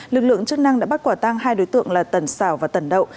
lực lượng chức năng đã bắt quả tang hai đối tượng là tần xảo và tần đậu